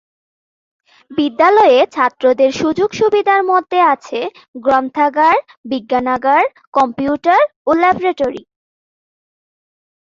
বিদ্যালয়ে ছাত্রদের সুযোগ-সুবিধার মধ্যে আছে গ্রন্থাগার, বিজ্ঞানাগার, কম্পিউটার ও ল্যাবরেটরি।